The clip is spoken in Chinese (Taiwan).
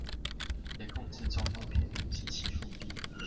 分別控制中東鐵路及其腹地